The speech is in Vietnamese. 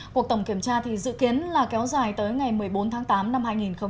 cuộc tổng kiểm tra dự kiến kéo dài tới ngày một mươi bốn tháng tám năm hai nghìn một mươi chín